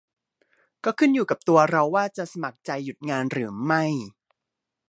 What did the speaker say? ก็ขึ้นอยู่กับตัวเราว่าจะสมัครใจหยุดงานหรือไม่